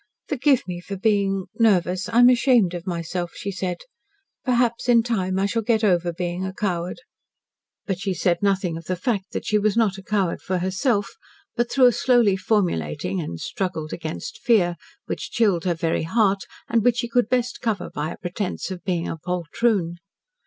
"Forgive me for being nervous. I'm ashamed of myself," she said. "Perhaps in time I shall get over being a coward." But she said nothing of the fact that she was not a coward for herself, but through a slowly formulating and struggled against fear, which chilled her very heart, and which she could best cover by a pretence of being a poltroon.